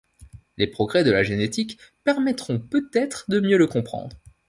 Les progrès de la génétique permettront peut-être de mieux le comprendre.